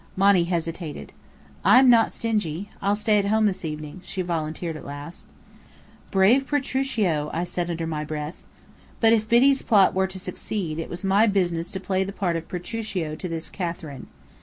Monny hesitated. "I am not stingy. I'll stay at home this evening," she volunteered at last. "Bravo Petruchio!" I said under my breath. But if Biddy's plot were to succeed, it was my business to play the part of Petruchio to this Katherine.